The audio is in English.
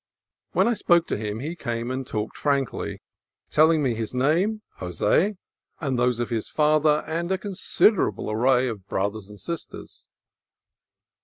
When I spoke to him he came and talked frankly, telling me his name, Jos6, and those 86 CALIFORNIA COAST TRAILS of his father and a considerable array of brothers and sisters.